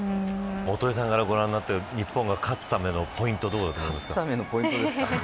元榮さんからご覧になって勝つためのポイントどこだと思いますか。